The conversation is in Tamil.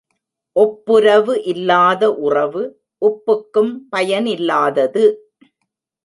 ஒப்புரவு இல்லாத உறவு, உப்புக்கும் பயனில்லாதது.